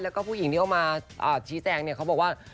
แล้วก็ผู้หญิงที่เขามาชี้แจงเนี่ยเขาบอกว่า